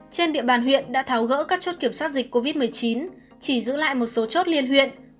trên địa bàn huyện đã tháo gỡ các chốt kiểm soát dịch covid một mươi chín chỉ giữ lại một số chốt liên huyện